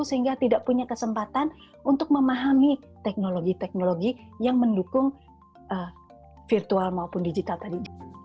sehingga tidak punya kesempatan untuk memahami teknologi teknologi yang mendukung virtual maupun digital tadi